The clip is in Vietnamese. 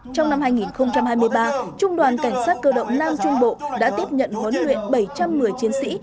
trong năm hai nghìn hai mươi ba trung đoàn cảnh sát cơ động nam trung bộ đã tiếp nhận huấn luyện bảy trăm một mươi chiến sĩ